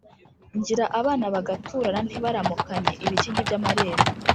Ngira abana bagaturana ntibaramukanye-Ibikingi by'amarembo.